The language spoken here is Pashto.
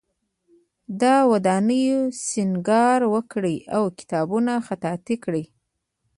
د ودانیو سینګار وکړي او کتابونه خطاطی کړي.